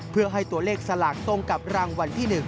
เพื่อให้ตัวเลขสลากตรงกับรางวัลที่๑